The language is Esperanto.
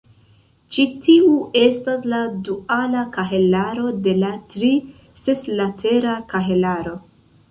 Ĉi tiu estas la duala kahelaro de la tri-seslatera kahelaro.